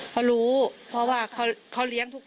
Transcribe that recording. พี่ทีมข่าวของที่รักของ